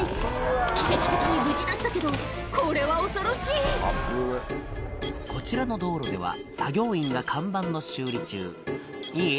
奇跡的に無事だったけどこれは恐ろしいこちらの道路では作業員が看板の修理中「いい？